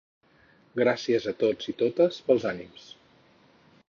Gràcies a tots i totes pels ànims.